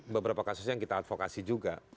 beberapa kasus yang kita advokasi juga